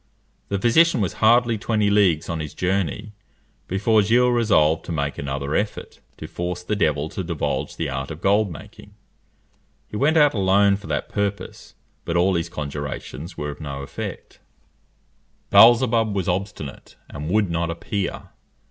The physician was hardly twenty leagues on his journey, before Gilles resolved to make another effort to force the devil to divulge the art of gold making. He went out alone for that purpose; but all his conjurations were of no effect. Beelzebub was obstinate, and would not appear.